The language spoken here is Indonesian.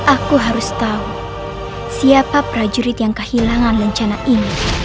aku harus tahu siapa prajurit yang kehilangan lencana ini